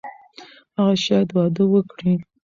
هغه شاید واده وکړي.